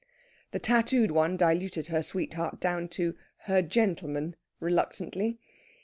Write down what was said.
The tattooed one diluted her sweetheart down to "her gentleman" reluctantly.